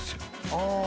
ああ